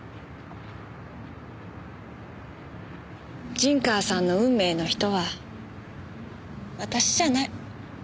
陣川さんの運命の人は私じゃない。